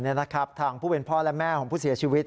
นี่นะครับทางผู้เป็นพ่อและแม่ของผู้เสียชีวิต